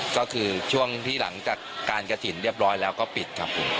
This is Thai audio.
ก็คือช่วงที่หลังจากการกระถิ่นเรียบร้อยแล้วก็ปิดครับผม